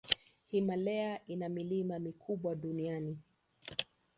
Himalaya ina milima mikubwa duniani.